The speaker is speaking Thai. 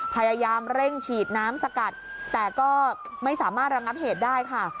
พยายามเร่งฉีดน้ำสกัดแต่ก็ไม่สามารถระงับเหตุได้ค่ะ